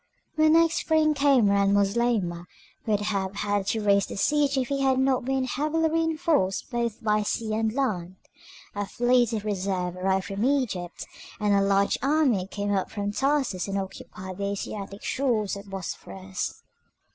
When next spring came round Moslemah would have had to raise the siege if he had not been heavily reinforced both by sea and land. A fleet of reserve arrived from Egypt, and a large army came up from Tarsus and occupied the Asiatic shores of the Bosphorus.